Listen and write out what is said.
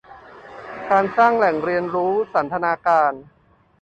การสร้างแหล่งเรียนรู้สันทนาการ